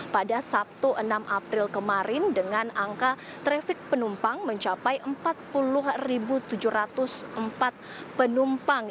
pada sabtu enam april kemarin dengan angka trafik penumpang mencapai empat puluh tujuh ratus empat penumpang